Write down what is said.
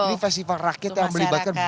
ini festival rakyat yang melibatkan